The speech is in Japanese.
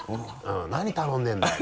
「何頼んでんだい？」